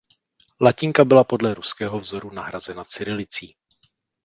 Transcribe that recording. Latinka byla podle ruského vzoru nahrazena cyrilicí.